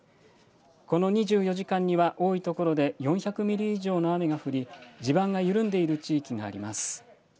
この２４時間には多い所で４００ミリ以上の雨が降り地盤が緩んでいる地域があります。